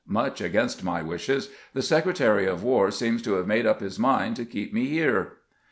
Much against my wishes, the Secretary of "War seems to have made up his mind to keep me here."